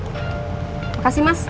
terima kasih mas